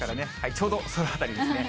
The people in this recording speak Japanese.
ちょうどその辺りですね。